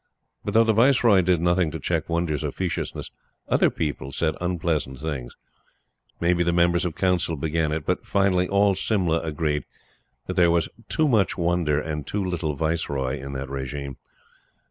But, though the Viceroy did nothing to check Wonder's officiousness, other people said unpleasant things. Maybe the Members of Council began it; but, finally, all Simla agreed that there was "too much Wonder, and too little Viceroy," in that regime.